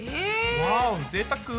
わぁぜいたく！